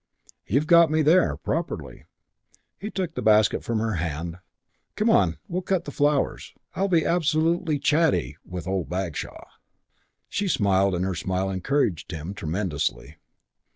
"You've got me there. Properly." He took the basket from her hand. "Come on, we'll cut the flowers. I'll be absolutely chatty with old Bagshaw." She smiled and her smile encouraged him tremendously.